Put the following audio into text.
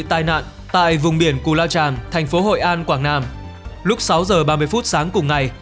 tai nạn tại vùng biển cù lao tràm thành phố hội an quảng nam lúc sáu giờ ba mươi phút sáng cùng ngày